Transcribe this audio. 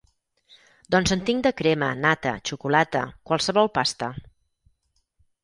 Doncs en tinc de crema, nata, xocolata... qualsevol pasta.